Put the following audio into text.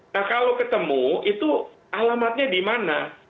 nah kalau ketemu itu alamatnya di mana